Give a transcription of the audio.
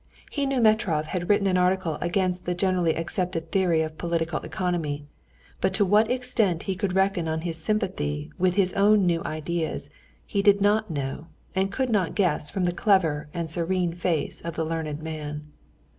He knew Metrov had written an article against the generally accepted theory of political economy, but to what extent he could reckon on his sympathy with his own new views he did not know and could not guess from the clever and serene face of the learned man.